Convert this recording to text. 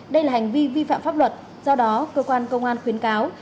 đây là hành vi vi phạm pháp luật do đó cơ quan công an khuyến cáo